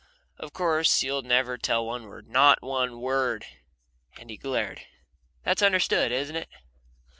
Of course, you'll never tell one word NOT ONE WORD " and he glared. "That's understood, isn't it?"